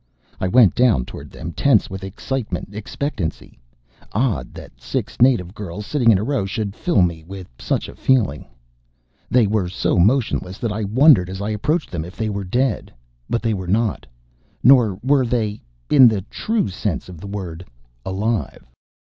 I went down toward them, tense with excitement, expectancy. Odd that six native girls, sitting in a row, should fill me with such feeling. They were so motionless that I wondered as I approached them, if they were dead.... But they were not. Nor were they in the true sense of the word alive.